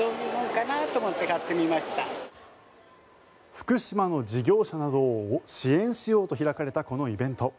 福島の事業者などを支援しようと開かれたこのイベント。